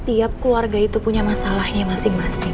tiap keluarga itu punya masalahnya masing masing